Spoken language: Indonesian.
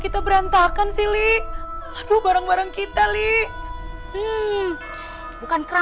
tekan banget ya